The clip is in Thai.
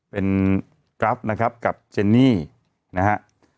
เป็นกราฟนะครับกับเจนนี่นะฮะ